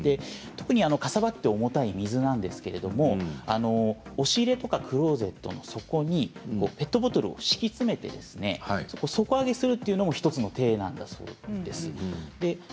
特にかさばって重たい水なんですけれど押し入れとかクローゼットの底にペットボトルを敷き詰めて底上げするというのも１つの手なんだそうです。